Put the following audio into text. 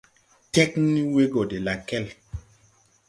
Tẽgn we gɔ de lakɛl,